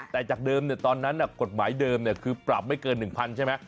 แต่จากเดิมตอนนั้นกฎหมายเดิมคือปรับไม่เกิน๑๐๐ใช่ไหม